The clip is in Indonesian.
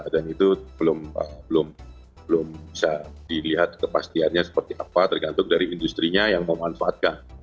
dan itu belum bisa dilihat kepastiannya seperti apa tergantung dari industri nya yang memanfaatkan